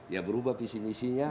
ya berubah visi misinya